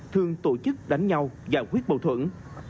thường tổ chức đánh nhau giải quyết bầu thuận